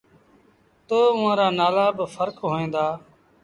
تا اُئآݩ نآلآ با ڦرڪ هوئين دآ۔